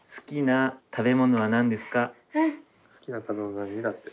好きな食べ物何だって。